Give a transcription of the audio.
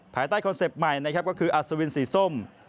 ภายใต้คอนเซ็ปต์ใหม่นะครับก็คืออัศวินสีส้ม